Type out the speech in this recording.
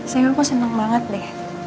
sayang kok seneng banget deh